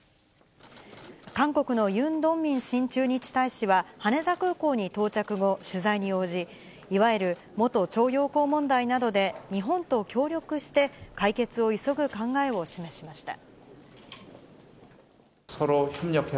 韓国のユン・ドンミン新駐日大使は、羽田空港に到着後、取材に応じ、いわゆる元徴用工問題などで、日本と協力して解決を急ぐ考えを示しました。